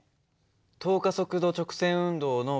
等加速度直線運動のυ−